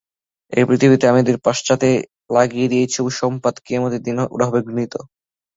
এ পৃথিবীতে আমি ওদের পশ্চাতে লাগিয়ে দিয়েছি অভিসম্পাত এবং কিয়ামতের দিন ওরা হবে ঘৃণিত।